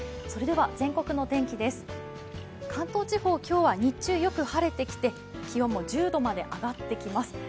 それでは全国の天気です、関東地方今日は日中よく晴れてきて気温も１０度まで上がってきます。